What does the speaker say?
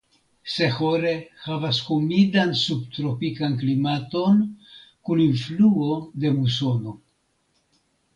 Sehore havas humidan subtropikan klimaton kun influo de musono.